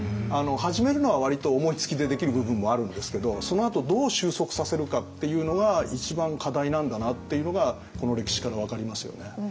始めるのは割と思いつきでできる部分もあるんですけどそのあとどう収束させるかっていうのが一番課題なんだなっていうのがこの歴史から分かりますよね。